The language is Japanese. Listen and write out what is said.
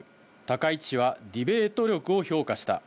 高市氏はディベート力を評価した。